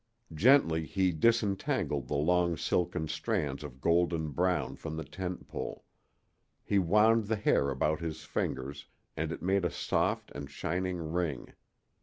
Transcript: Gently he disentangled the long silken strands of golden brown from the tent pole. He wound the hair about his fingers, and it made a soft and shining ring.